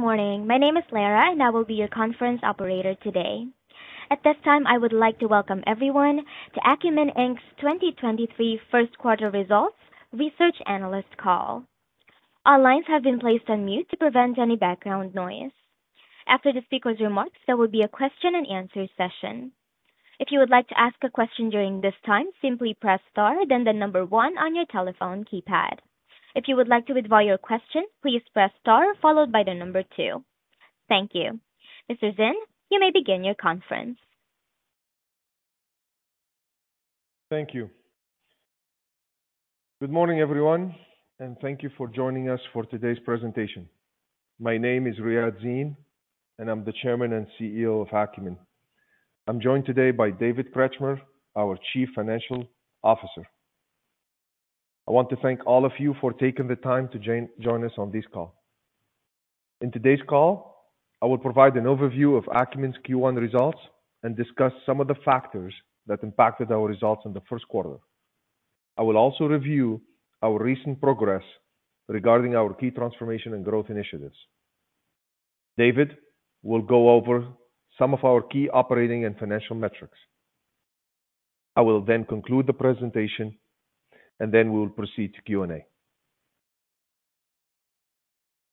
Good morning. My name is Lara, and I will be your conference operator today. At this time, I would like to welcome everyone to Akumin Inc.'s 2023 Q1 results research analyst call. Our lines have been placed on mute to prevent any background noise. After the speaker's remarks, there will be a question-and-answer session. If you would like to ask a question during this time, simply press star then the number one on your telephone keypad. If you would like to withdraw your question, please press star followed by the number two. Thank you. Mr. Zine, you may begin your conference. Thank you. Good morning, everyone, thank you for joining us for today's presentation. My name is Riadh Zine, and I'm the Chairman and CEO of Akumin. I'm joined today by David Kretschmer, our Chief Financial Officer. I want to thank all of you for taking the time to join us on this call. In today's call, I will provide an overview of Akumin's Q1 results and discuss some of the factors that impacted our results in the Q1. I will also review our recent progress regarding our key transformation and growth initiatives. David will go over some of our key operating and financial metrics. I will conclude the presentation, we will proceed to Q&A.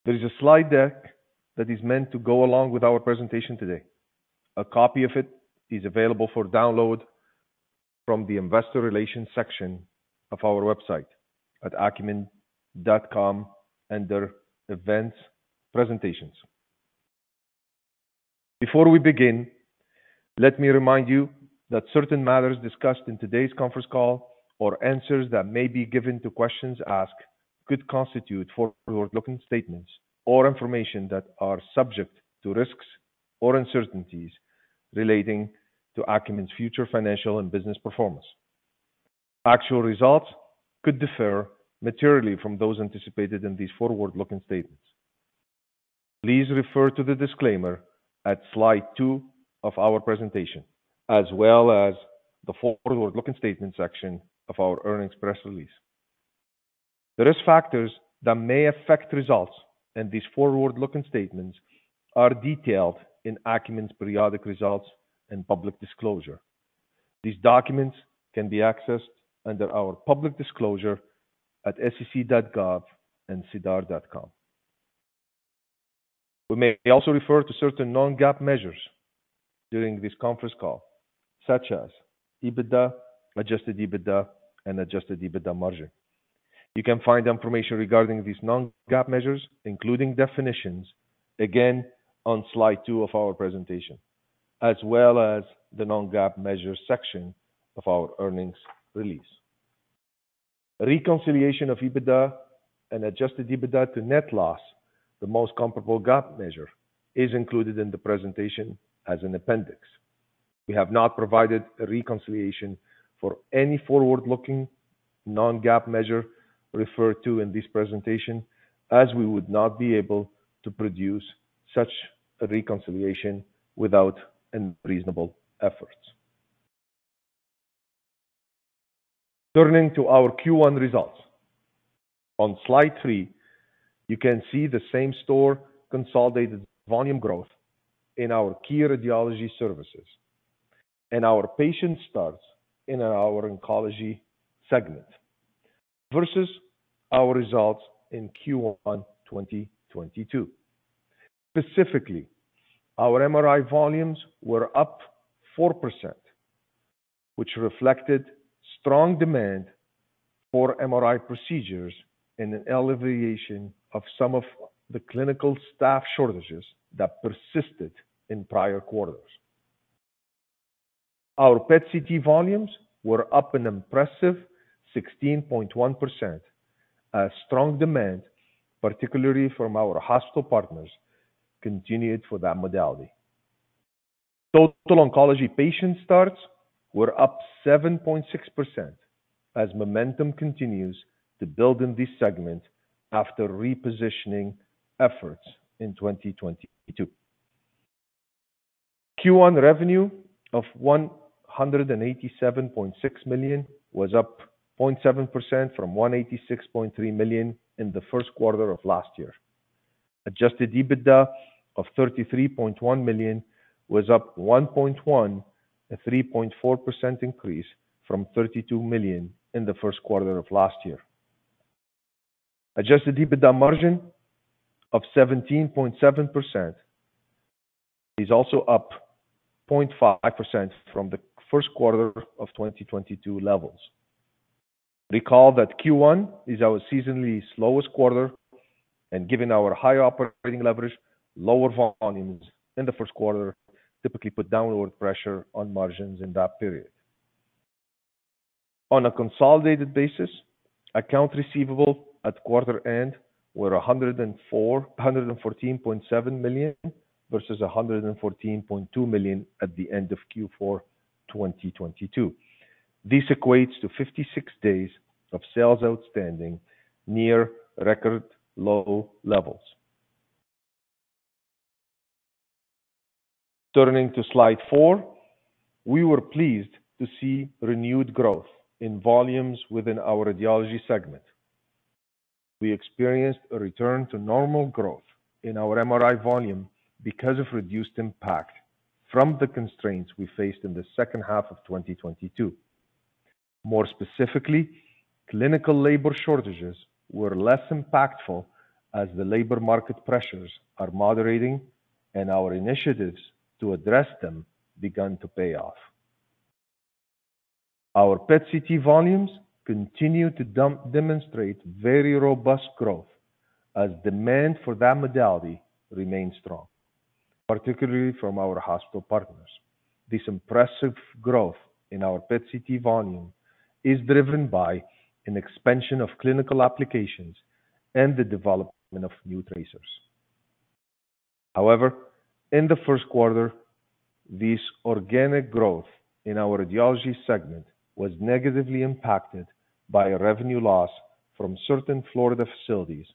There is a slide deck that is meant to go along with our presentation today. A copy of it is available for download from the investor relations section of our website at akumin.com under events presentations. Before we begin, let me remind you that certain matters discussed in today's conference call or answers that may be given to questions asked could constitute forward-looking statements or information that are subject to risks or uncertainties relating to Akumin's future financial and business performance. Actual results could differ materially from those anticipated in these forward-looking statements. Please refer to the disclaimer at slide two of our presentation, as well as the forward-looking statement section of our earnings press release. The risk factors that may affect results and these forward-looking statements are detailed in Akumin's periodic results and public disclosure. These documents can be accessed under our public disclosure at sec.gov and sedar.com. We may also refer to certain non-GAAP measures during this conference call, such as EBITDA, Adjusted EBITDA, and Adjusted EBITDA margin. You can find information regarding these non-GAAP measures, including definitions, again on slide two of our presentation, as well as the non-GAAP measure section of our earnings release. Reconciliation of EBITDA and Adjusted EBITDA to net loss, the most comparable GAAP measure, is included in the presentation as an appendix. We have not provided a reconciliation for any forward-looking non-GAAP measure referred to in this presentation, as we would not be able to produce such a reconciliation without unreasonable efforts. Turning to our Q1 results. On slide three, you can see the same-store consolidated volume growth in our key radiology services and our patient starts in our oncology segment versus our results in Q1 2022. Specifically, our MRI volumes were up 4%, which reflected strong demand for MRI procedures and an alleviation of some of the clinical staff shortages that persisted in prior quarters. Our PET CT volumes were up an impressive 16.1%. A strong demand, particularly from our hospital partners, continued for that modality. Total oncology patient starts were up 7.6% as momentum continues to build in this segment after repositioning efforts in 2022. Q1 revenue of $187.6 million was up 0.7% from $186.3 million in the Q1 of last year. Adjusted EBITDA of $33.1 million was up $1.1 million, a 3.4% increase from $32 million in the Q1 of last year. Adjusted EBITDA margin of 17.7% is also up 0.5% from the Q1 of 2022 levels. Recall that Q1 is our seasonally slowest quarter and given our higher operating leverage, lower volumes in the Q1 typically put downward pressure on margins in that period. On a consolidated basis, accounts receivable at quarter end were $114.7 million versus $114.2 million at the end of Q4 2022. This equates to 56 days of sales outstanding near record low levels. Turning to slide four, we were pleased to see renewed growth in volumes within our radiology segment. We experienced a return to normal growth in our MRI volume because of reduced impact from the constraints we faced in the second half of 2022. More specifically, clinical labor shortages were less impactful as the labor market pressures are moderating and our initiatives to address them began to pay off. Our PET/CT volumes continue to demonstrate very robust growth as demand for that modality remains strong, particularly from our hospital partners. This impressive growth in our PET/CT volume is driven by an expansion of clinical applications and the development of new tracers. In the Q1, this organic growth in our radiology segment was negatively impacted by a revenue loss from certain Florida facilities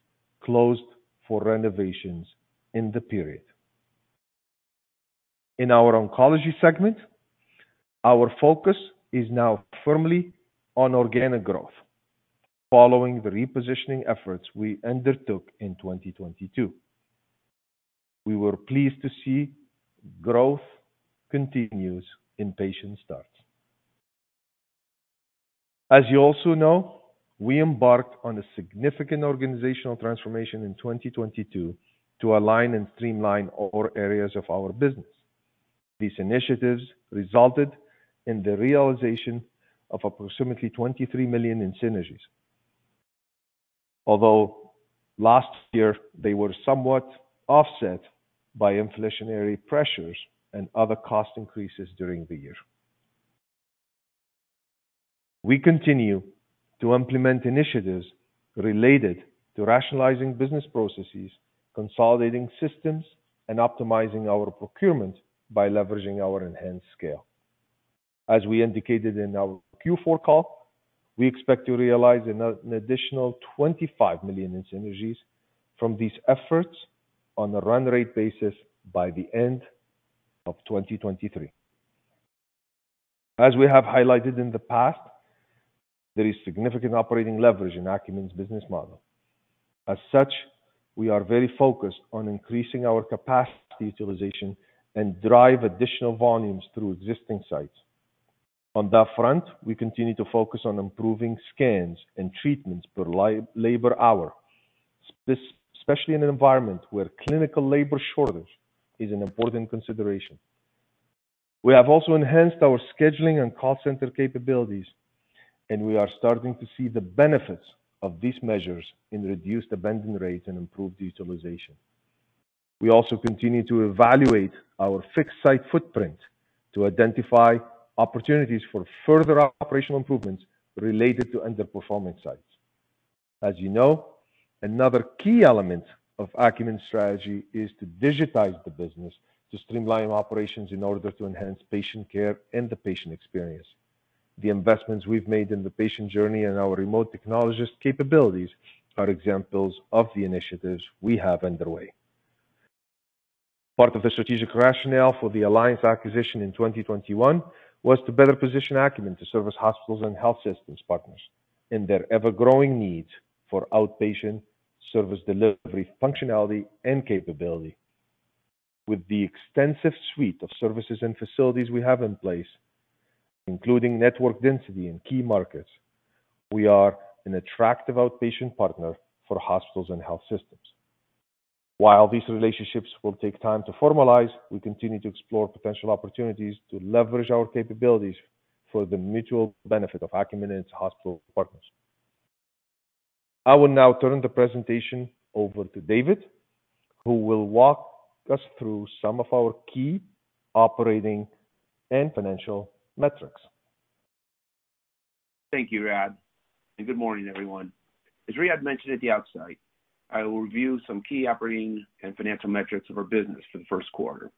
closed for renovations in the period. In our oncology segment, our focus is now firmly on organic growth following the repositioning efforts we undertook in 2022. We were pleased to see growth continues in patient starts. You also know, we embarked on a significant organizational transformation in 2022 to align and streamline all areas of our business. These initiatives resulted in the realization of approximately $23 million in synergies. Last year they were somewhat offset by inflationary pressures and other cost increases during the year. We continue to implement initiatives related to rationalizing business processes, consolidating systems, and optimizing our procurement by leveraging our enhanced scale. As we indicated in our Q4 call, we expect to realize an additional $25 million in synergies from these efforts on a run rate basis by the end of 2023. As we have highlighted in the past, there is significant operating leverage in Akumin's business model. As such, we are very focused on increasing our capacity utilization and drive additional volumes through existing sites. On that front, we continue to focus on improving scans and treatments per labor hour, especially in an environment where clinical labor shortage is an important consideration. We have also enhanced our scheduling and call center capabilities, We are starting to see the benefits of these measures in reduced abandon rates and improved utilization. We also continue to evaluate our fixed site footprint to identify opportunities for further operational improvements related to underperforming sites. As you know, another key element of Akumin's strategy is to digitize the business to streamline operations in order to enhance patient care and the patient experience. The investments we've made in the patient journey and our remote technologist capabilities are examples of the initiatives we have underway. Part of the strategic rationale for the Alliance acquisition in 2021 was to better position Akumin to service hospitals and health systems partners in their ever-growing need for outpatient service delivery functionality and capability. With the extensive suite of services and facilities we have in place, including network density in key markets, we are an attractive outpatient partner for hospitals and health systems. While these relationships will take time to formalize, we continue to explore potential opportunities to leverage our capabilities for the mutual benefit of Akumin and its hospital partners. I will now turn the presentation over to David, who will walk us through some of our key operating and financial metrics. Thank you, Riadh, and good morning, everyone. As Riadh mentioned at the outset, I will review some key operating and financial metrics of our business for the Q1.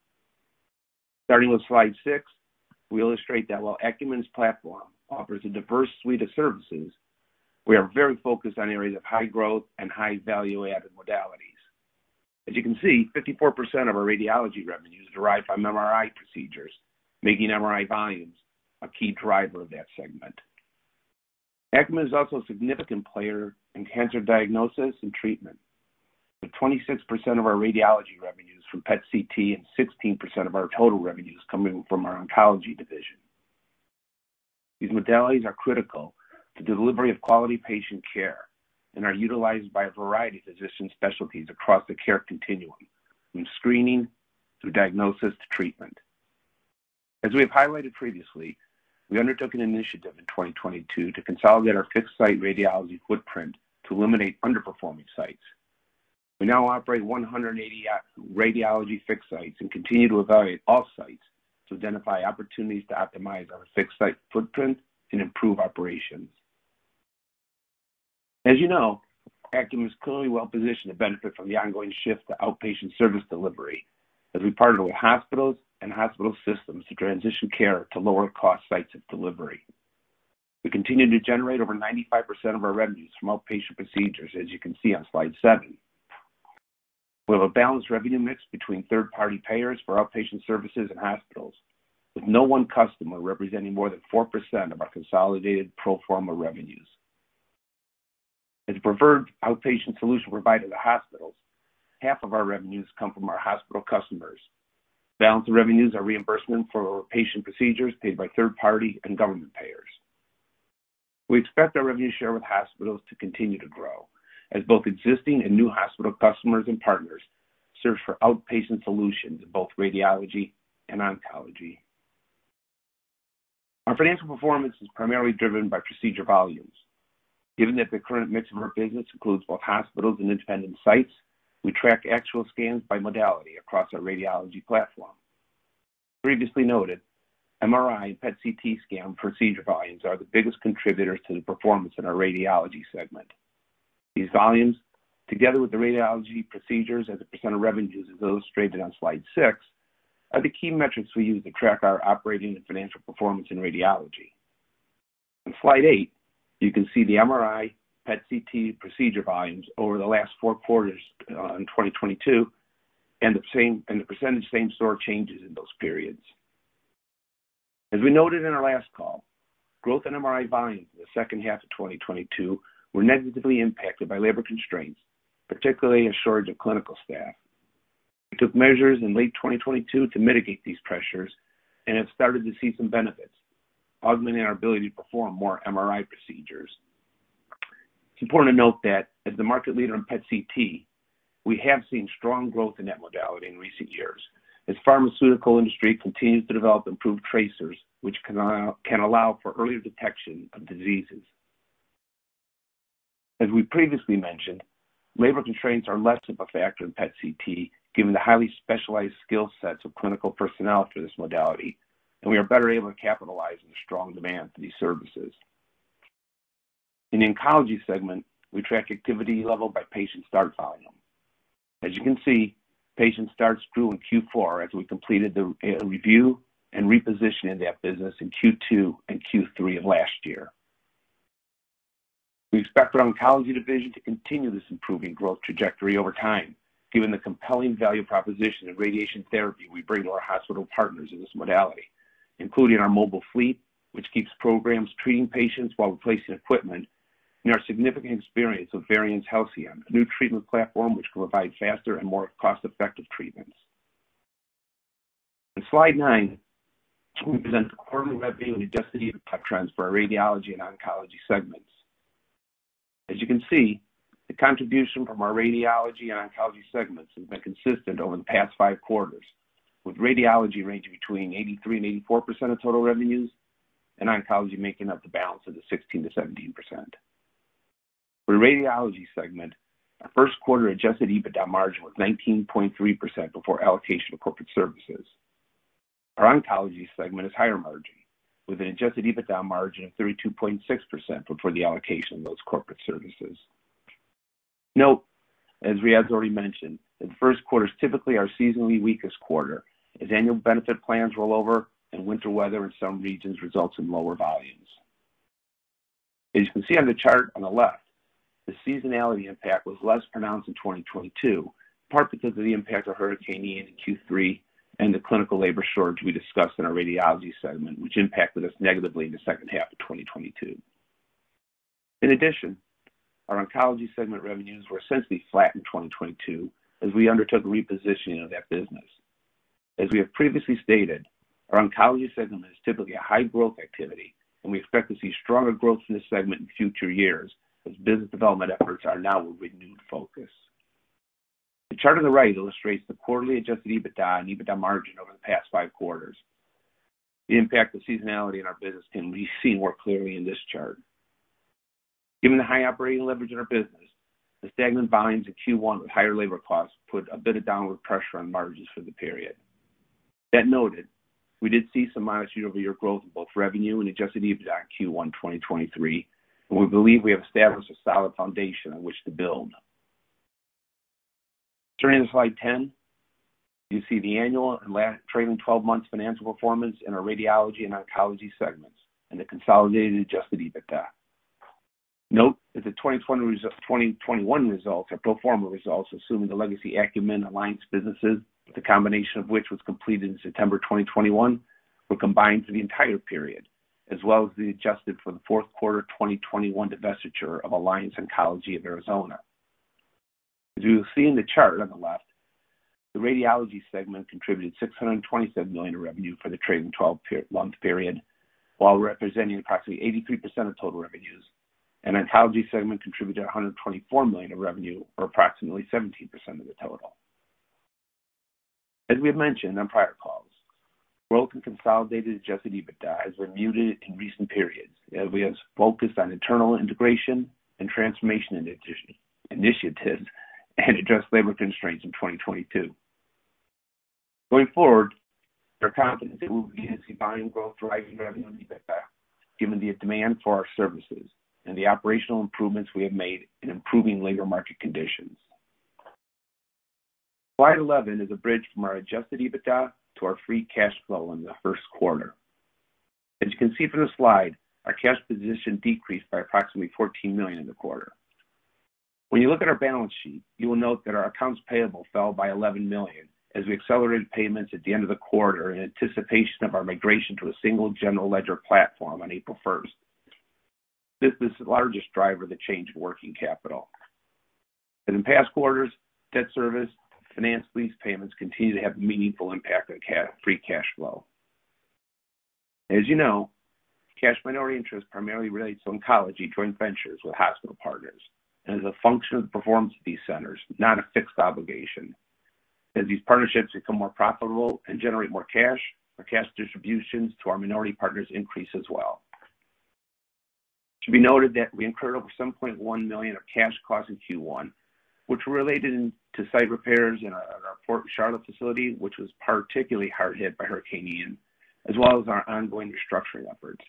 Starting with slide six, we illustrate that while Akumin's platform offers a diverse suite of services, we are very focused on areas of high growth and high value-added modalities. As you can see, 54% of our radiology revenue is derived from MRI procedures, making MRI volumes a key driver of that segment. Akumin is also a significant player in cancer diagnosis and treatment, with 26% of our radiology revenues from PET CT and 16% of our total revenues coming from our oncology division. These modalities are critical to delivery of quality patient care and are utilized by a variety of physician specialties across the care continuum, from screening through diagnosis to treatment. As we have highlighted previously, we undertook an initiative in 2022 to consolidate our fixed-site radiology footprint to eliminate underperforming sites. We now operate 180 at radiology fixed sites and continue to evaluate all sites to identify opportunities to optimize our fixed site footprint and improve operations. As you know, Akumin is clearly well positioned to benefit from the ongoing shift to outpatient service delivery as we partner with hospitals and hospital systems to transition care to lower cost sites of delivery. We continue to generate over 95% of our revenues from outpatient procedures, as you can see on slide seven. We have a balanced revenue mix between third-party payers for outpatient services and hospitals, with no one customer representing more than 4% of our consolidated pro forma revenues. As a preferred outpatient solution provided to hospitals, half of our revenues come from our hospital customers. The balance of revenues are reimbursement for patient procedures paid by third party and government payers. We expect our revenue share with hospitals to continue to grow as both existing and new hospital customers and partners search for outpatient solutions in both radiology and oncology. Our financial performance is primarily driven by procedure volumes. Given that the current mix of our business includes both hospitals and independent sites, we track actual scans by modality across our radiology platform. As previously noted, MRI and PET CT scan procedure volumes are the biggest contributors to the performance in our radiology segment. These volumes, together with the radiology procedures as a percsixntage of revenues illustrated on slide 6, are the key metrics we use to track our operating and financial performance in radiology. On slide eight, you can see the MRI PET CT procedure volumes over the last four quarters, in 2022 and the same, and the percentage same store changes in those periods. As we noted in our last call, growth in MRI volumes in the second half of 2022 were negatively impacted by labor constraints, particularly a shortage of clinical staff. We took measures in late 2022 to mitigate these pressures and have started to see some benefits, augmenting our ability to perform more MRI procedures. It's important to note that as the market leader in PET CT, we have seen strong growth in that modality in recent years as pharmaceutical industry continues to develop improved tracers which can allow for earlier detection of diseases. As we previously mentioned, labor constraints are less of a factor in PET CT, given the highly specialized skill sets of clinical personnel for this modality, and we are better able to capitalize on the strong demand for these services. In the oncology segment, we track activity level by patient start volume. As you can see, patient starts grew in Q4 as we completed the e- review and repositioning of that business in Q2 and Q3 of last year. We expect our oncology division to continue this improving growth trajectory over time, given the compelling value proposition of radiation therapy we bring to our hospital partners in this modality, including our mobile fleet, which keeps programs treating patients while replacing equipment and our significant experience with Varian's Halcyon, a new treatment platform which can provide faster and more cost-effective treatments. On slide nine, we present the quarterly revenue and Adjusted EBITDA trends for our radiology and oncology segments. As you can see, the contribution from our radiology and oncology segments has been consistent over the past five quarters, with radiology ranging between 83% and 84% of total revenues and oncology making up the balance of the 16%-17%. For the radiology segment, our Q1 adjusted EBITDA margin was 19.3% before allocation of corporate services. Our oncology segment is higher margin, with an adjusted EBITDA margin of 32.6% before the allocation of those corporate services. Note, as Riadh already mentioned, the first quarter is typically our seasonally weakest quarter as annual benefit plans roll over and winter weather in some regions results in lower volumes. As you can see on the chart on the left, the seasonality impact was less pronounced in 2022, in part because of the impact of Hurricane Ian in Q3 and the clinical labor shortage we discussed in our radiology segment which impacted us negatively in the second half of 2022. Our oncology segment revenues were essentially flat in 2022 as we undertook a repositioning of that business. As we have previously stated, our oncology segment is typically a high growth activity and we expect to see stronger growth in this segment in future years as business development efforts are now a renewed focus. The chart on the right illustrates the quarterly Adjusted EBITDA and EBITDA margin over the past five quarters. The impact of seasonality in our business can be seen more clearly in this chart. Given the high operating leverage in our business, the stagnant volumes in Q1 with higher labor costs put a bit of downward pressure on margins for the period. Noted, we did see some modest year-over-year growth in both revenue and adjusted EBITDA in Q1 2023, and we believe we have established a solid foundation on which to build. Turning to slide 10, you see the annual and last trailing 12 months financial performance in our radiology and oncology segments and the consolidated adjusted EBITDA. Note that the 2021 results are pro forma results, assuming the legacy Akumin Alliance businesses, the combination of which was completed in September 2021, were combined for the entire period, as well as the adjusted for the fourth quarter 2021 divestiture of Alliance Oncology of Arizona. As you'll see in the chart on the left, the radiology segment contributed $627 million of revenue for the trailing 12-months period, while representing approximately 83% of total revenues. Oncology segment contributed $124 million of revenue, or approximately 17% of the total. As we have mentioned on prior calls, growth in consolidated adjusted EBITDA has been muted in recent periods as we have focused on internal integration and transformation initiatives and addressed labor constraints in 2022. Going forward, we are confident that we will begin to see volume growth driving revenue and EBITDA, given the demand for our services and the operational improvements we have made in improving labor market conditions. Slide 11 is a bridge from our adjusted EBITDA to our free cash flow in the Q1. You can see from the slide, our cash position decreased by approximately $14 million in the quarter. When you look at our balance sheet, you will note that our accounts payable fell by $11 million as we accelerated payments at the end of the quarter in anticipation of our migration to a single general ledger platform on April 1st. This is the largest driver of the change in working capital. In past quarters, debt service, finance lease payments continue to have meaningful impact on free cash flow. You know, cash minority interest primarily relates to oncology joint ventures with hospital partners, and is a function of the performance of these centers, not a fixed obligation. These partnerships become more profitable and generate more cash, our cash distributions to our minority partners increase as well. It should be noted that we incurred over $7.1 million of cash costs in Q1, which were related to site repairs in our Port Charlotte facility, which was particularly hard hit by Hurricane Ian, as well as our ongoing restructuring efforts.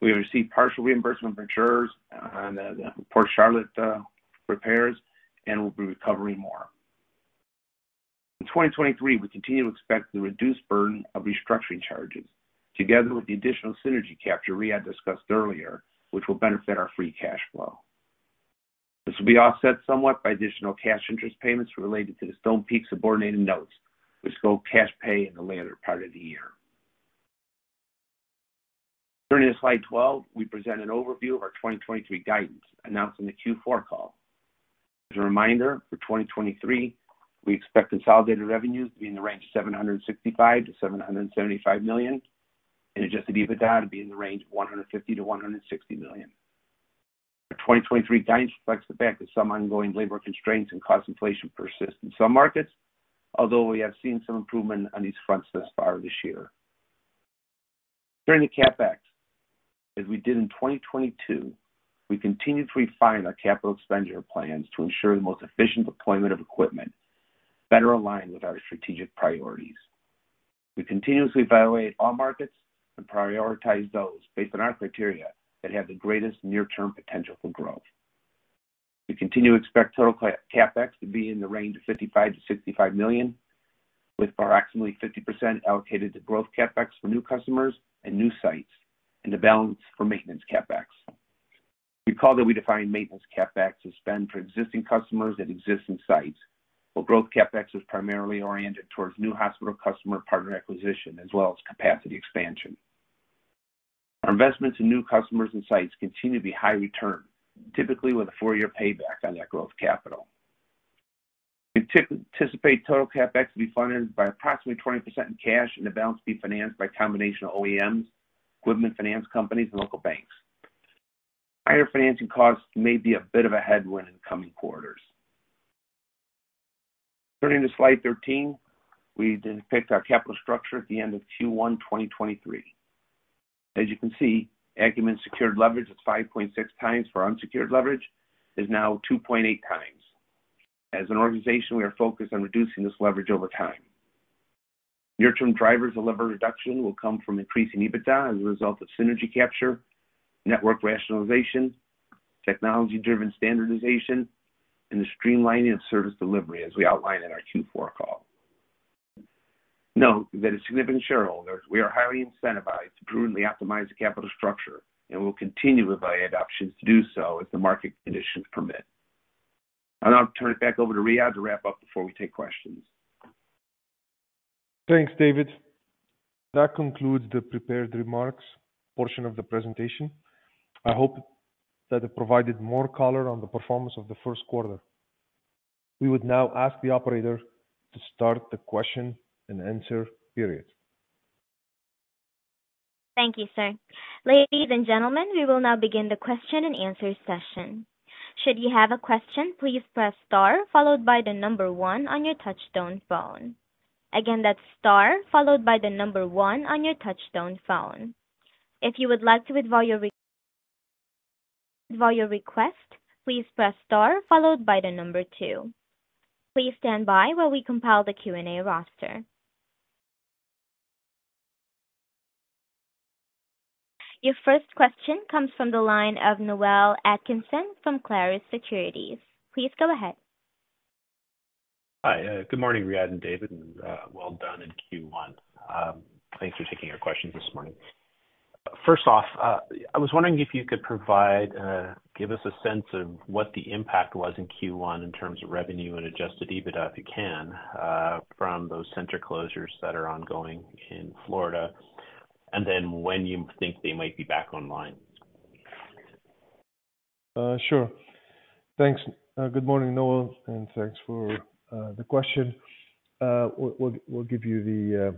We have received partial reimbursement from insurers on the Port Charlotte repairs, and we'll be recovering more. In 2023, we continue to expect the reduced burden of restructuring charges, together with the additional synergy capture Riadh discussed earlier, which will benefit our free cash flow. This will be offset somewhat by additional cash interest payments related to the Stonepeak subordinated notes, which go cash pay in the latter part of the year. Turning to slide 12, we present an overview of our 2023 guidance announced on the Q4 call. As a reminder, for 2023, we expect consolidated revenues to be in the range of $765 million-$775 million, and adjusted EBITDA to be in the range of $150 million-$160 million. Our 2023 guidance reflects the fact that some ongoing labor constraints and cost inflation persist in some markets, although we have seen some improvement on these fronts thus far this year. Turning to CapEx. As we did in 2022, we continue to refine our capital expenditure plans to ensure the most efficient deployment of equipment better aligned with our strategic priorities. We continuously evaluate all markets and prioritize those based on our criteria that have the greatest near-term potential for growth. We continue to expect total CapEx to be in the range of $55 million-$65 million, with approximately 50% allocated to growth CapEx for new customers and new sites, and the balance for maintenance CapEx. Recall that we define maintenance CapEx as spend for existing customers at existing sites, while growth CapEx is primarily oriented towards new hospital customer partner acquisition as well as capacity expansion. Our investments in new customers and sites continue to be high return, typically with a four-year payback on that growth capital. We anticipate total CapEx to be funded by approximately 20% in cash, and the balance be financed by a combination of OEMs, equipment finance companies, and local banks. Higher financing costs may be a bit of a headwind in coming quarters. Turning to slide 13, we depict our capital structure at the end of Q1, 2023. As you can see, Akumin's secured leverage of 5.6x for unsecured leverage is now 2.8x. As an organization, we are focused on reducing this leverage over time. Near-term drivers of levered reduction will come from increasing EBITDA as a result of synergy capture, network rationalization, technology-driven standardization, and the streamlining of service delivery, as we outlined in our Q4 call. Note that as significant shareholders, we are highly incentivized to prudently optimize the capital structure, and we'll continue to evaluate options to do so as the market conditions permit. I'll turn it back over to Riadh to wrap up before we take questions. Thanks, David. That concludes the prepared remarks portion of the presentation. I hope that it provided more color on the performance of the Q1. We would now ask the operator to start the question and answer period. Thank you, sir. Ladies and gentlemen, we will now begin the question and answer session. Should you have a question, please press star followed by one on your touchtone phone. Again, that's star followed by one on your touchtone phone. If you would like to withdraw your request, please press star followed by two. Please stand by while we compile the Q&A roster. Your first question comes from the line of Noel Atkinson from Clarus Securities. Please go ahead. Hi. Good morning, Riadh and David, and well done in Q1. Thanks for taking our questions this morning. First off, I was wondering if you could provide, give us a sense of what the impact was in Q1 in terms of revenue and adjusted EBITDA, if you can, from those center closures that are ongoing in Florida, and then when you think they might be back online? Sure. Thanks. Good morning, Noel, and thanks for the question. We'll give you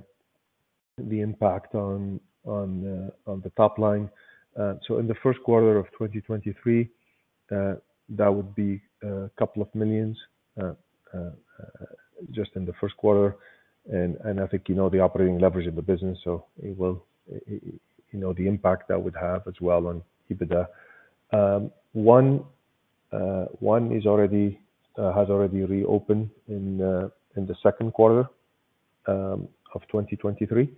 the impact on the top line. In the Q1 of 2023, that would be a couple of millions just in the Q1. I think you know the operating leverage of the business, so it will. You know, the impact that would have as well on EBITDA. One has already reopened in the Q2 of 2023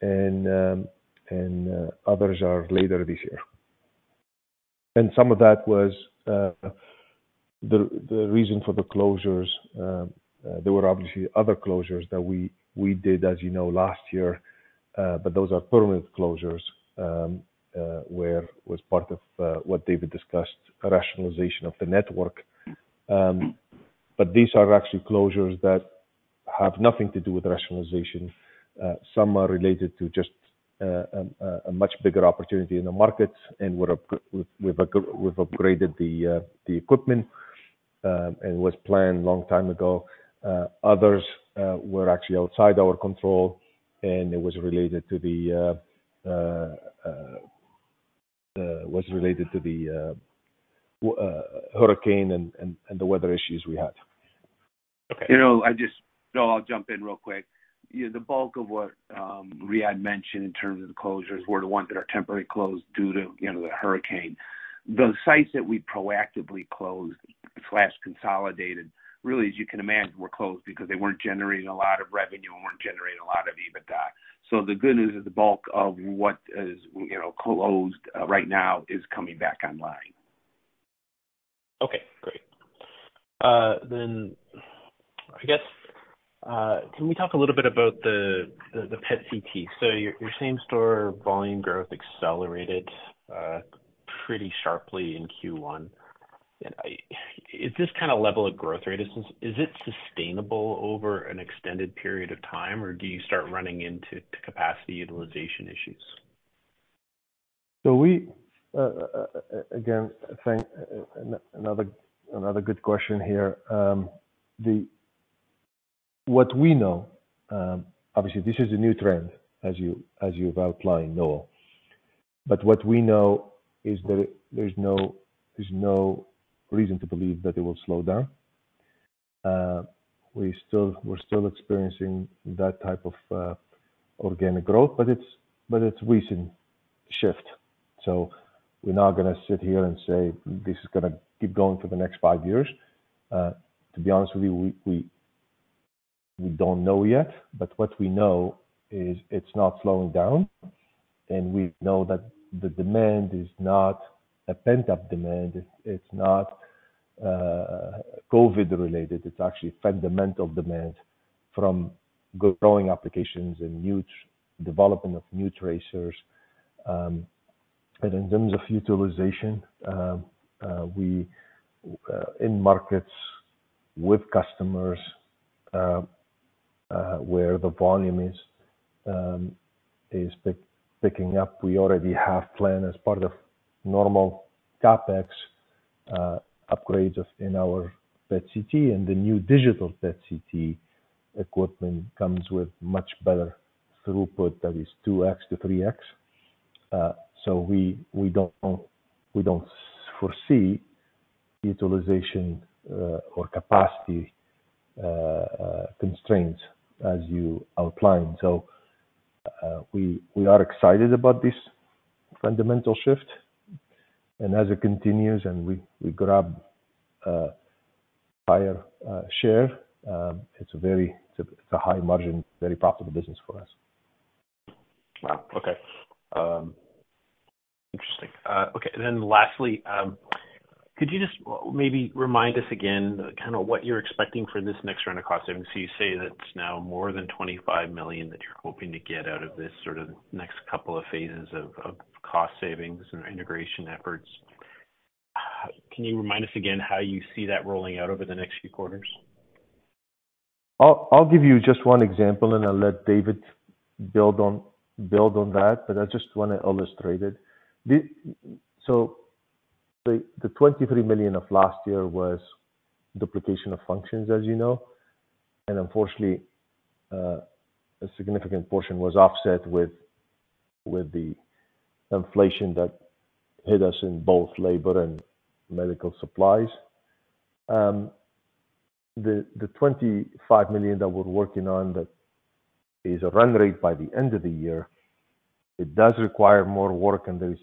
and others are later this year. Some of that was the reason for the closures. There were obviously other closures that we did, as you know, last year, but those are permanent closures, where was part of what David discussed, a rationalization of the network. These are actually closures that have nothing to do with rationalization. Some are related to just a much bigger opportunity in the markets. We've upgraded the equipment, and was planned long time ago. Others were actually outside our control, and it was related to the hurricane and the weather issues we had. Okay. I'll jump in real quick. You know, the bulk of what Riadh mentioned in terms of the closures were the ones that are temporarily closed due to, you know, the hurricane. The sites that we proactively closed/consolidated, really, as you can imagine, were closed because they weren't generating a lot of revenue and weren't generating a lot of EBITDA. The good news is the bulk of what is, you know, closed right now is coming back online. Okay, great. I guess, can we talk a little bit about the PET CT? Your same store volume growth accelerated pretty sharply in Q1. Is this kind of level of growth rate, is it sustainable over an extended period of time, or do you start running into capacity utilization issues? We, again, thank. Another good question here. What we know, obviously this is a new trend as you've outlined, Noel. What we know is that there's no, there's no reason to believe that it will slow down. We're still experiencing that type of organic growth, but it's recent shift. We're not gonna sit here and say, "This is gonna keep going for the next five years." To be honest with you, we don't know yet, but what we know is it's not slowing down, and we know that the demand is not a pent-up demand. It's not COVID related. It's actually fundamental demand from growing applications and new development of new tracers. In terms of utilization, we in markets with customers where the volume is picking up. We already have planned as part of normal CapEx, upgrades of in our PET CT. The new digital PET CT equipment comes with much better throughput that is 2x to 3x. We don't foresee utilization or capacity constraints as you outlined. We are excited about this fundamental shift. As it continues and we grab higher share, it's a high margin, very profitable business for us. Wow. Okay. Interesting. Lastly, could you just maybe remind us again kind of what you're expecting for this next round of cost savings? You say that it's now more than $25 million that you're hoping to get out of this sort of next couple of phases of cost savings and integration efforts. Can you remind us again how you see that rolling out over the next few quarters? I'll give you just one example, and I'll let David build on that. I just want to illustrate it. The $23 million of last year was duplication of functions, as you know. Unfortunately, a significant portion was offset with the inflation that hit us in both labor and medical supplies. The $25 million that we're working on that is a run rate by the end of the year, it does require more work, and there is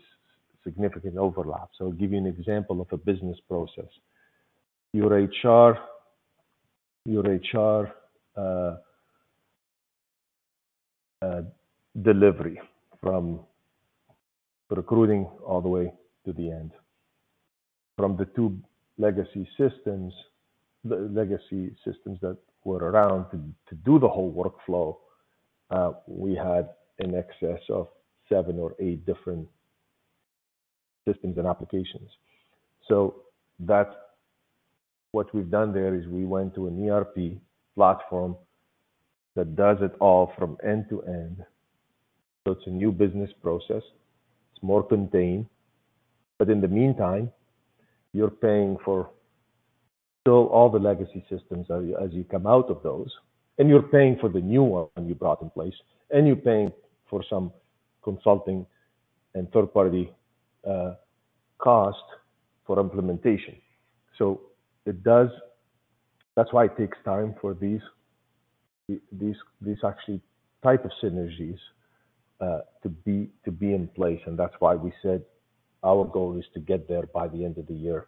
significant overlap. I'll give you an example of a business process. Your HR delivery from recruiting all the way to the end. From the two legacy systems that were around to do the whole workflow, we had in excess of seven or eight different systems and applications. What we've done there is we went to an ERP platform that does it all from end to end. It's a new business process. It's more contained. In the meantime, all the legacy systems are, as you come out of those, and you're paying for the new one you brought in place, and you're paying for some consulting and third-party cost for implementation. That's why it takes time for these actually type of synergies to be in place. That's why we said our goal is to get there by the end of the year.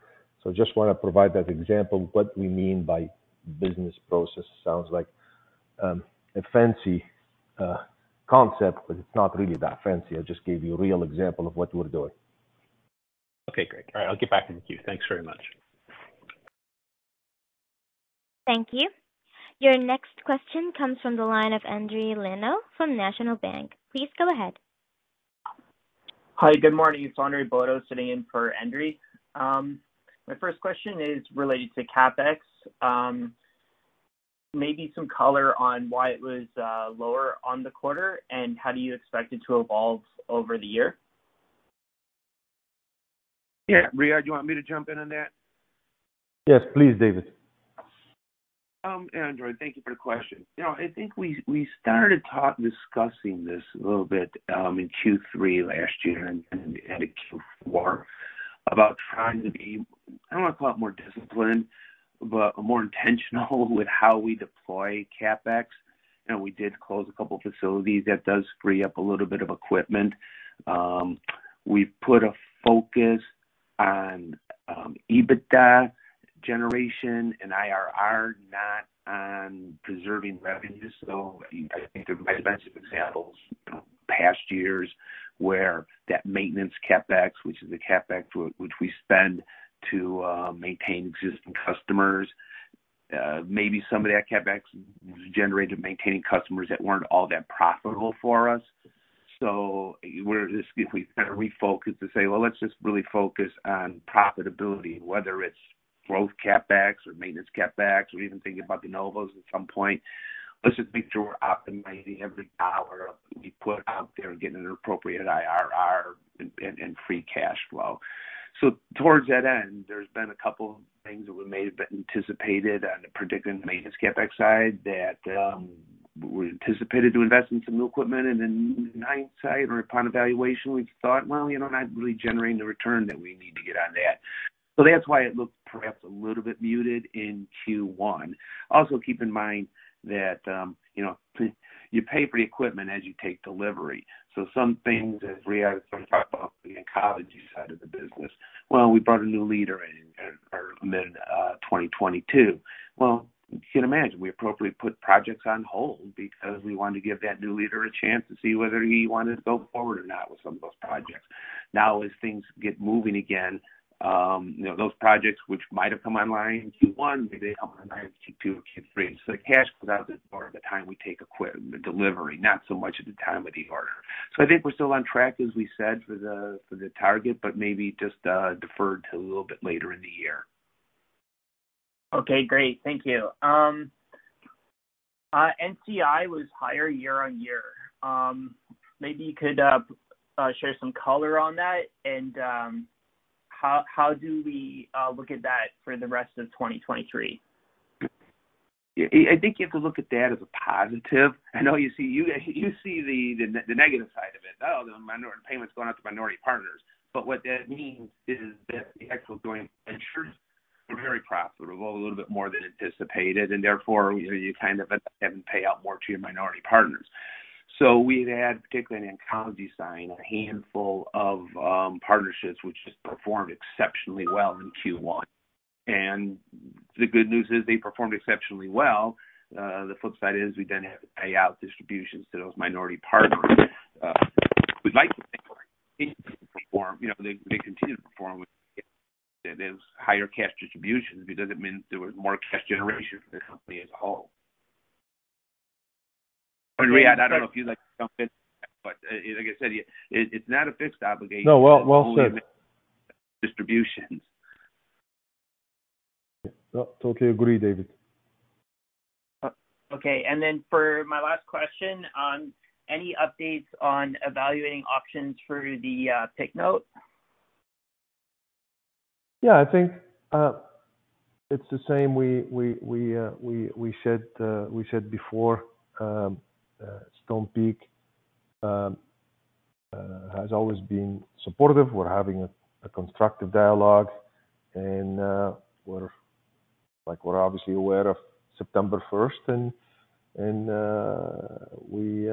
Just wanna provide that example, what we mean by business process sounds like. A fancy concept, but it's not really that fancy. I just gave you a real example of what we're doing. Okay, great. All right, I'll get back in the queue. Thanks very much. Thank you. Your next question comes from the line of Andre Leno from National Bank. Please go ahead. Hi. Good morning. It's Andre Bodo sitting in for Andre. My first question is related to CapEx. Maybe some color on why it was lower on the quarter, and how do you expect it to evolve over the year? Yeah. Riadh, do you want me to jump in on that? Yes, please, David. Andre, thank you for your question. I think we started discussing this a little bit in Q3 last year and at Q4 about trying to be, I don't wanna call it more disciplined, but more intentional with how we deploy CapEx. We did close a couple facilities. That does free up a little bit of equipment. We've put a focus on EBITDA generation and IRR, not on preserving revenue. I think there's plenty of examples from past years where that maintenance CapEx, which is the CapEx which we spend to maintain existing customers, maybe some of that CapEx was generated maintaining customers that weren't all that profitable for us. We're just... If we kind of refocused to say, "Well, let's just really focus on profitability, whether it's growth CapEx or maintenance CapEx or even thinking about de novo at some point, let's just make sure we're optimizing every dollar we put out there and getting an appropriate IRR and free cash flow." Towards that end, there's been a couple things that we may have anticipated on the predicted maintenance CapEx side that we anticipated to invest in some new equipment and then in hindsight or upon evaluation, we thought, "Well, you know, not really generating the return that we need to get on that." That's why it looked perhaps a little bit muted in Q1. Also, keep in mind that, you know, you pay for the equipment as you take delivery. Some things as Riadh sort of talked about the oncology side of the business. We brought a new leader in mid 2022. You can imagine we appropriately put projects on hold because we wanted to give that new leader a chance to see whether he wanted to go forward or not with some of those projects. As things get moving again, you know, those projects which might have come online in Q1, maybe they come online in Q2 or Q3. The cash flow doesn't start at the time we take the delivery, not so much at the time of the order. I think we're still on track, as we said for the target, but maybe just deferred to a little bit later in the year. Okay, great. Thank you. NCI was higher year-on-year. Maybe you could share some color on that. How do we look at that for the rest of 2023? Yeah. I think you have to look at that as a positive. I know you see the negative side of it. "Oh, the minor payments going out to minority partners." What that means is that the exit's going ensure we're very profitable, a little bit more than anticipated, and therefore you kind of have to pay out more to your minority partners. We've had, particularly in oncology side, a handful of partnerships which just performed exceptionally well in Q1. The good news is they performed exceptionally well. The flip side is we then have to pay out distributions to those minority partners. We'd like to think they perform, you know, they continue to perform with those higher cash distributions because it means there was more cash generation for the company as a whole. Riadh, I don't know if you'd like to jump in, but like I said, it's not a fixed obligation. No. Well, well said. Distributions. No. Okay. Agree, David. Okay. For my last question, any updates on evaluating options for the take note? Yeah, I think it's the same we said before. Stonepeak has always been supportive. We're having a constructive dialogue, and Like we're obviously aware of September 1st, and we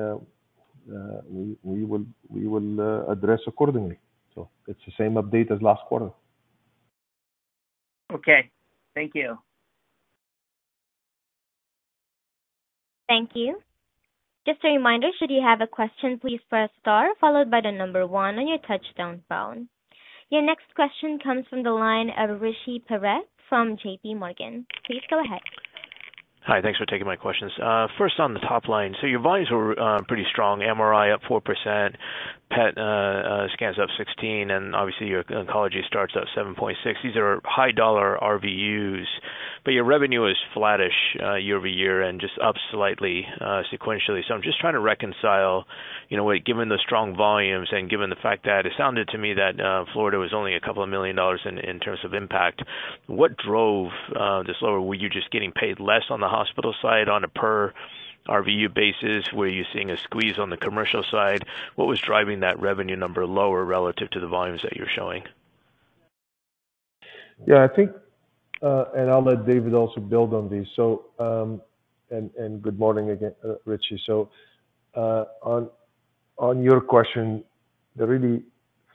will address accordingly. It's the same update as last quarter. Okay. Thank you. Thank you. Just a reminder, should you have a question, please press star followed by the number one on your touchtone phone. Your next question comes from the line of Rishi Parekh from JPMorgan. Please go ahead. Hi. Thanks for taking my questions. First on the top line. Your volumes were pretty strong, MRI up 4%, PET scans up 16, and obviously your oncology starts at 7.6. These are high dollar RVUs, your revenue is flattish year-over-year and just up slightly sequentially. I'm just trying to reconcile, you know, given the strong volumes and given the fact that it sounded to me that Florida was only a couple of million dollars in terms of impact. What drove this lower? Were you just getting paid less on the hospital side on a per RVU basis? Were you seeing a squeeze on the commercial side? What was driving that revenue number lower relative to the volumes that you're showing? I think, and I'll let David also build on this. Good morning again, Rishi. On your question, there are really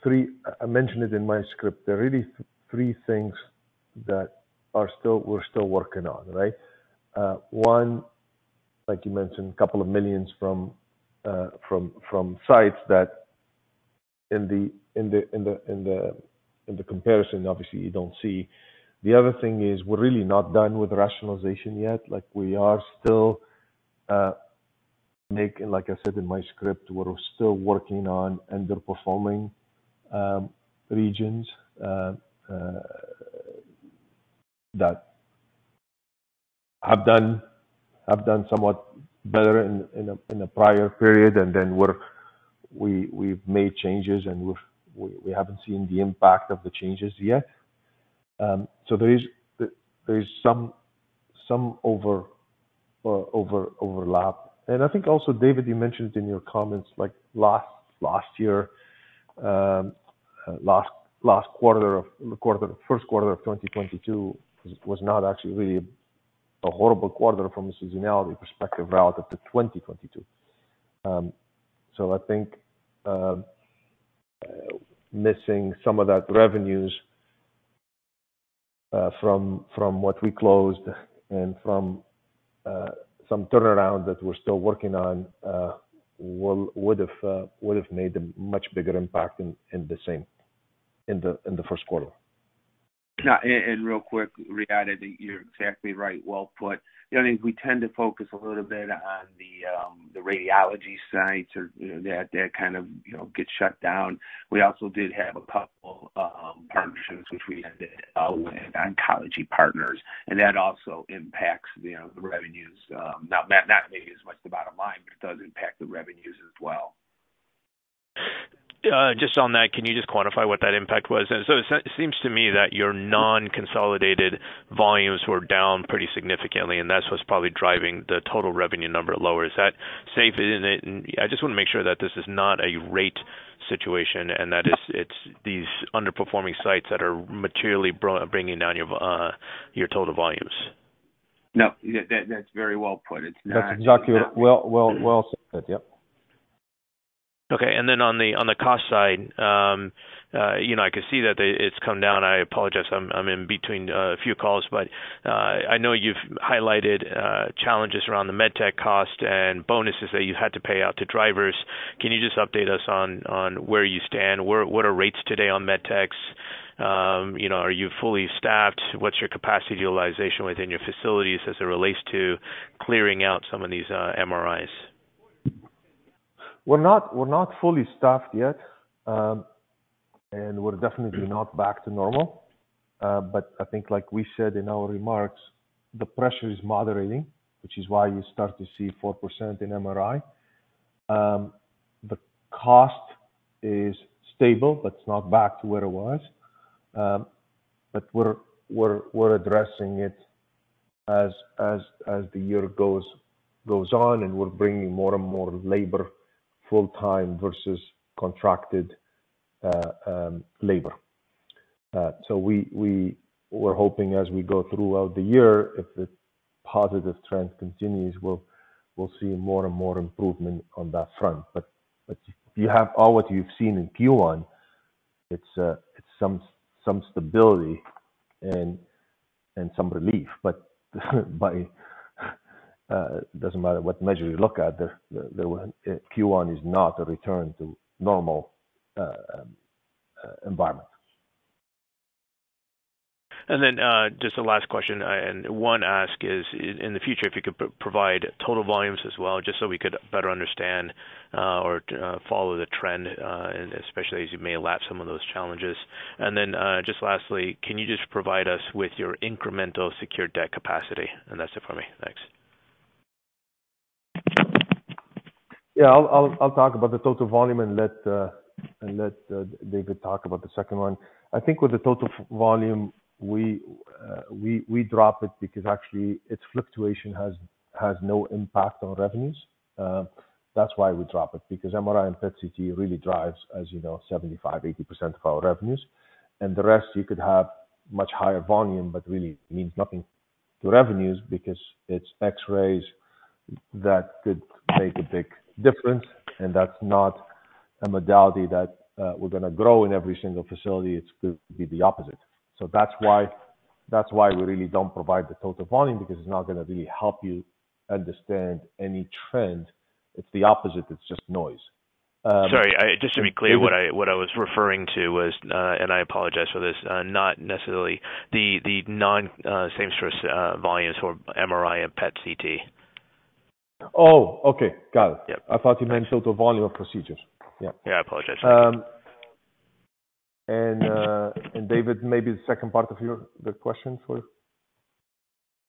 three. I mentioned it in my script. There are really three things that we're still working on, right? One, like you mentioned, a couple of millions from sites that in the comparison, obviously you don't see. The other thing is we're really not done with rationalization yet. Like, we are still making, like I said in my script, we're still working on underperforming regions that have done somewhat better in a prior period, and then we've made changes, and we haven't seen the impact of the changes yet. There is some overlap. I think also, David, you mentioned in your comments, like last year, the Q1 of 2022 was not actually a horrible quarter from a seasonality perspective relative to 2022. I think missing some of that revenues from what we closed and from some turnaround that we're still working on would have made a much bigger impact in the same first quarter. Yeah. Real quick, Riadh, you're exactly right. Well put. The only thing, we tend to focus a little bit on the radiology sites or, you know, that kind of, you know, gets shut down. We also did have a couple partnerships which we ended with oncology partners, and that also impacts, you know, the revenues. Not maybe as much the bottom line, but it does impact the revenues as well. Just on that, can you just quantify what that impact was? It seems to me that your non-consolidated volumes were down pretty significantly, and that's what's probably driving the total revenue number lower. Is that safe? Is it... I just want to make sure that this is not a rate situation and that it's these underperforming sites that are materially bringing down your total volumes. No, that's very well put. It's not. That's exactly it. Well, well, well said. Yep. Okay. On the, on the cost side, you know, I could see that it's come down. I apologize, I'm in between a few calls, I know you've highlighted challenges around the med tech cost and bonuses that you had to pay out to drivers. Can you just update us on where you stand? What are rates today on med techs? You know, are you fully staffed? What's your capacity utilization within your facilities as it relates to clearing out some of these MRIs? We're not fully staffed yet, and we're definitely not back to normal. I think like we said in our remarks, the pressure is moderating, which is why you start to see 4% in MRI. The cost is stable, it's not back to where it was. We're addressing it as the year goes on, and we're bringing more and more labor full-time versus contracted labor. We're hoping as we go throughout the year, if the positive trend continues, we'll see more and more improvement on that front. If you have all what you've seen in Q1, it's some stability and some relief. By, it doesn't matter what measure you look at, the, Q1 is not a return to normal, environment. Just the last question and one ask is, in the future, if you could provide total volumes as well, just so we could better understand, or, follow the trend, especially as you may lap some of those challenges. Just lastly, can you just provide us with your incremental secured debt capacity? That's it for me. Thanks. Yeah. I'll talk about the total volume and let, and let David talk about the second one. I think with the total volume, we drop it because actually its fluctuation has no impact on revenues. That's why we drop it because MRI and PET CT really drives, as you know, 75%-80% of our revenues. The rest you could have much higher volume but really means nothing to revenues because it's X-rays that could make a big difference. That's not a modality that we're gonna grow in every single facility. It's going to be the opposite. That's why we really don't provide the total volume because it's not gonna really help you understand any trend. It's the opposite. It's just noise. Sorry. Just to be clear, what I was referring to was, and I apologize for this, not necessarily the non, same source, volumes for MRI and PET CT. Oh, okay. Got it. Yeah. I thought you meant total volume of procedures. Yeah. Yeah. I apologize. David, maybe the second part of the question for you.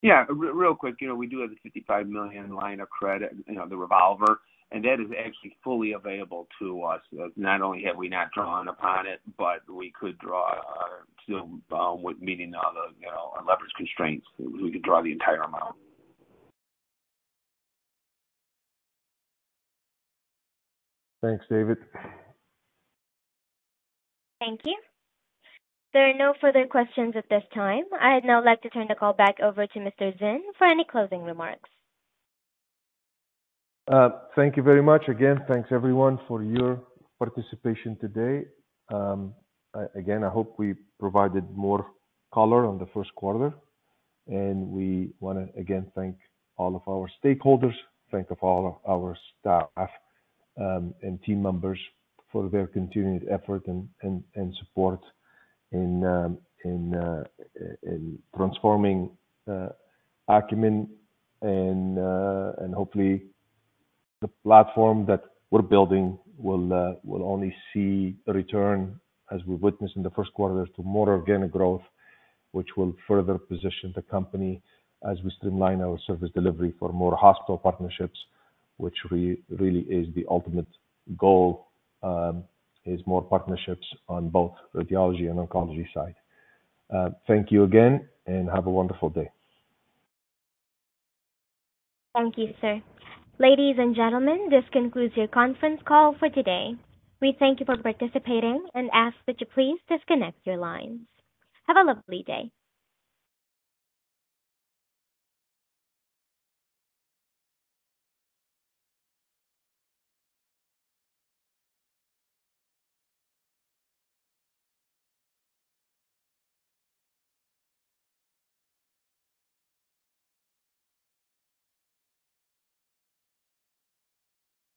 Yeah. Real quick. You know, we do have the $55 million line of credit, you know, the revolver, and that is actually fully available to us. Not only have we not drawn upon it, but we could draw our zoom with meeting all the, you know, our leverage constraints. We could draw the entire amount. Thanks, David. Thank you. There are no further questions at this time. I'd now like to turn the call back over to Mr. Zine for any closing remarks. Thank you very much. Thanks everyone for your participation today. Again, I hope we provided more color on the Q1, and we wanna, again, thank all of our stakeholders, thank of all our staff, and team members for their continued effort and support in transforming Akumin. Hopefully the platform that we're building will only see a return, as we witnessed in the Q1, to more organic growth, which will further position the company as we streamline our service delivery for more hospital partnerships, which really is the ultimate goal, is more partnerships on both radiology and oncology side. Thank you again, have a wonderful day. Thank you, sir. Ladies and gentlemen, this concludes your conference call for today. We thank you for participating and ask that you please disconnect your lines. Have a lovely day.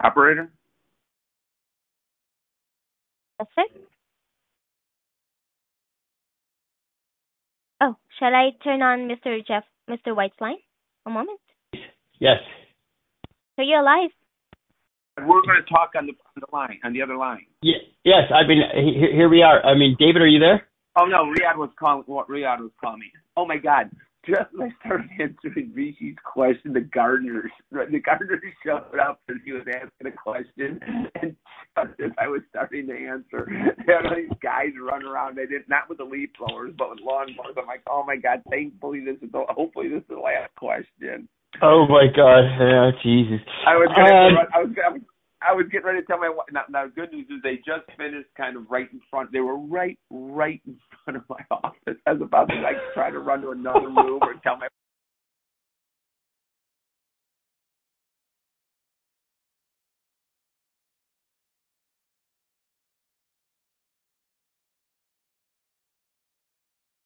Operator. Yes, sir. Oh, shall I turn on Mr. White's line? One moment. Yes. You're live. We're gonna talk on the line, on the other line. yes, I've been. Here we are. I mean, David, are you there? Oh, no. Riadh was calling me. Oh my God. Just as I started answering Rishi's question, the gardeners showed up as he was asking the question. Just as I was starting to answer, I have these guys running around. They did not with the leaf blowers, but with lawnmowers. I'm like, oh, my God, thankfully this is... Hopefully this is the last question. Oh my God. Oh, Jesus. I was gonna run. I was getting ready to tell my wife. The good news is they just finished kind of right in front. They were right in front of my office. I was about to like try to run to another room and tell my-